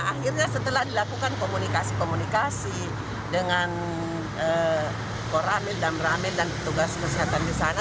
akhirnya setelah dilakukan komunikasi komunikasi dengan koramil damramil dan petugas kesehatan di sana